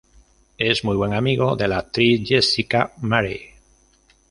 Es muy buen amigo de la actriz Jessica Marais.